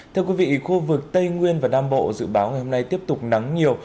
thưa quý vị khu vực tây nguyên và nam bộ dự báo ngày hôm nay tiếp tục nắng nhiều